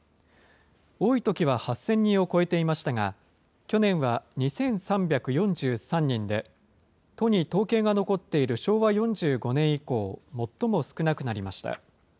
多いときは８０００人を超えていましたが、去年は２３４３人で、都に統計が残っている昭和４５年以降、最も少なくなりました。